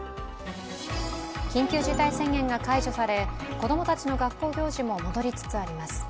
緊急事態宣言が解除され子供たちの学校行事も戻りつつあります。